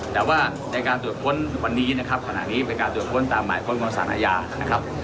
แต่ว่าในการตรวจค้นวันนี้นะครับขณะนี้เป็นการตรวจค้นตามหมายค้นของสารอาญานะครับ